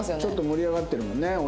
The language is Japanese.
ちょっと盛り上がってるもんね